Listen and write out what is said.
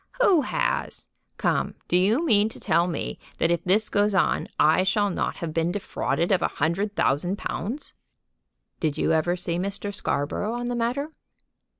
"Who has? Come; do you mean to tell me that if this goes on I shall not have been defrauded of a hundred thousand pounds?" "Did you ever see Mr. Scarborough on the matter?"